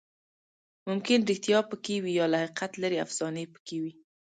ممکن ریښتیا پکې وي، یا له حقیقت لرې افسانې پکې وي.